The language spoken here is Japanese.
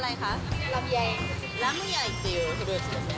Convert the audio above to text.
ラムヤイっていうフルーツですね。